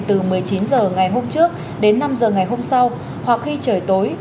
từ một mươi chín h ngày hôm trước đến năm h ngày hôm sau hoặc khi trời tối